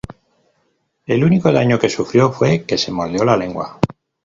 El único daño que sufrió fue que se mordió la lengua.